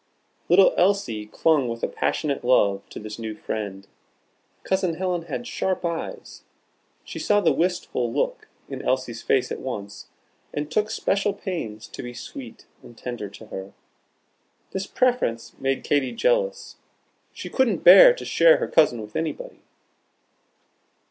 Little Elsie clung with a passionate love to this new friend. Cousin Helen had sharp eyes. She saw the wistful look in Elsie's face at once, and took special pains to be sweet and tender to her. This preference made Katy jealous. She couldn't bear to share her cousin with anybody.